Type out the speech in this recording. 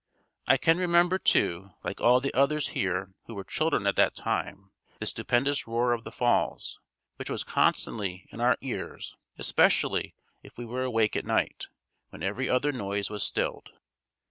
I can remember too, like all the others here who were children at that time, the stupendous roar of the falls, which was constantly in our ears especially if we were awake at night, when every other noise was stilled.